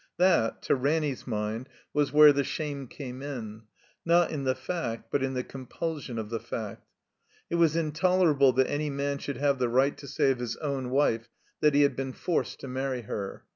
That, to Ranny's mind, was Z22 THE COMBINED MAZE where the shame came in ; not in the fact, but in the compulsion of the fact. It was intolerable that any man should have the right to say of his own wife that he had been forced to marry her.